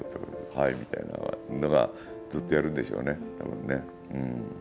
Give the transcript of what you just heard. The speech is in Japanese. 「はい」みたいなのがずっとやるんでしょうね多分ね。